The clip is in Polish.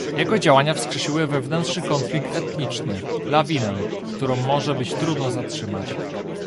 jego działania wskrzesiły wewnętrzny konflikt etniczny, lawinę, którą może być trudno zatrzymać